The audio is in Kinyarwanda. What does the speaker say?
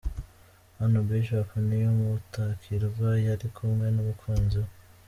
Hano Bishop Niyomutakirwa yari kumwe n'umukunzi we.